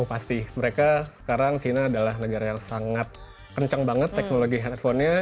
pasti mereka sekarang cina adalah negara yang sangat kencang banget teknologi handphonenya